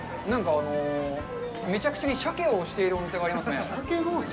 なんか、めちゃくちゃに鮭を推しているお店がありますね。